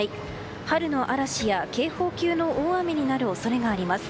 春の嵐や警報級の大雨になる恐れがあります。